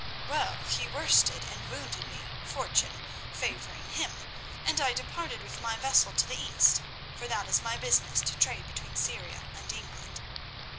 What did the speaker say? Well, he worsted and wounded me, fortune favouring him, and I departed with my vessel to the East, for that is my business, to trade between Syria and England.